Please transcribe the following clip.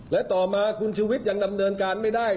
และต่อมาคุณชุวิตยังดำเนินการไม่ได้